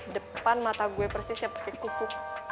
depan mata gue persis ya pake kuku